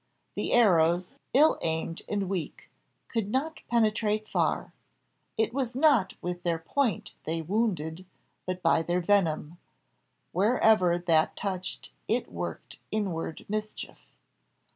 The arrows, ill aimed and weak, could not penetrate far; it was not with their point they wounded, but by their venom wherever that touched it worked inward mischief.